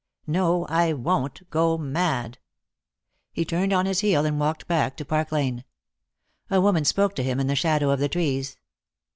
"No, I won't go mad." He turned on his heel and walked back to Park Lane. A woman spoke to him in the shadow of the trees.